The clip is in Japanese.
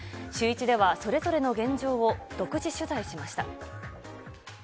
シューイチではそれぞれの現状を、独自取材しました。